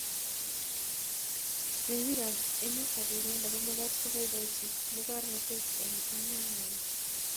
mengik ab emetab uganda komakat koboibochi mokornotet ab emengwai